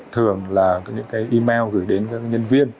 thường là những email gửi đến nhân viên